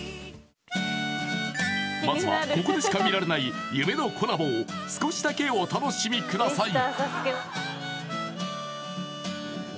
まずはここでしか見られない夢のコラボを少しだけお楽しみください